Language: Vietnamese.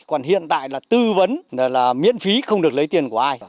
còn hiện tại là tư vấn là miễn phí không được lấy tiền của ai